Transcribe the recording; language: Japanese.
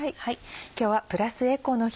今日はプラスエコの日。